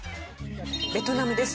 ベトナムです。